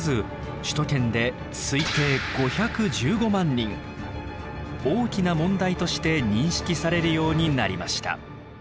首都圏で推定大きな問題として認識されるようになりました。